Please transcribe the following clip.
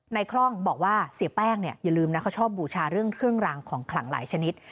คล่องบอกว่าเสียแป้งเนี่ยอย่าลืมนะเขาชอบบูชาเรื่องเครื่องรางของขลังหลายชนิด